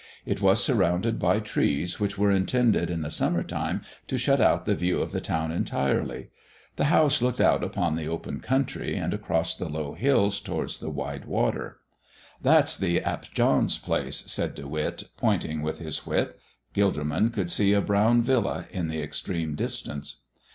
It was surrounded by trees, which were intended in the summertime to shut out the view of the town entirely. The house looked out upon the open country and across the low hills towards the wide water. "That's the Ap Johns' place," said De Witt, pointing with his whip. Gilderman could see a brown villa in the extreme distance.